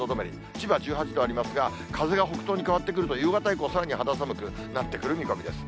千葉１８度ありますが、風が北東に変わってくると、夕方以降、さらに肌寒くなってくる見込みです。